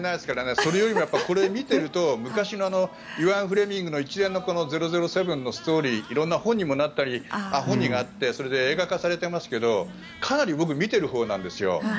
それよりもこれを見ていると昔のイアン・フレミングの一連の「００７」のストーリー本になったり映画化されていますがかなり僕見ているほうなんです。